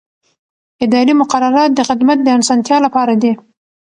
اداري مقررات د خدمت د اسانتیا لپاره دي.